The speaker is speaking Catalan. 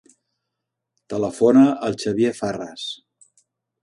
Telefona al Xavier Farras.